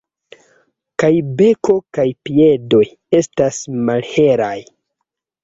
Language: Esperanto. Kaj beko kaj piedoj estas malhelaj.